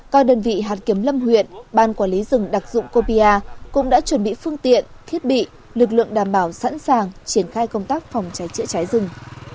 còn đơn vị hạt kiếm lâm huyện ban quản lý rừng đặc dụng copia cũng đã chuẩn bị phương tiện thiết bị lực lượng đảm bảo sẵn sàng triển khai công tác phòng cháy chế cháy rừng